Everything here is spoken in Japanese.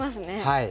はい。